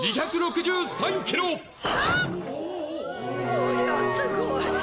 こりゃすごい。